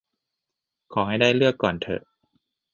ขอให้ได้เลือกก่อนเถอะ